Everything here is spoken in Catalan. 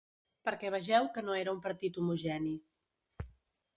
Perquè vegeu que no era un partit homogeni.